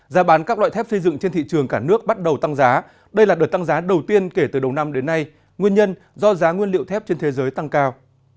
giá bán các loại thép xây dựng trên thị trường cả nước bắt đầu tăng giá đây là đợt tăng giá đầu tiên kể từ đầu năm đến nay nguyên nhân do giá nguyên liệu thép trên thế giới tăng cao